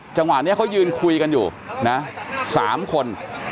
จังหวะนี้เขายืนคุยกันอยู่นะ๓คน